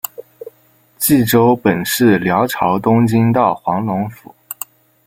济州本是辽朝东京道黄龙府。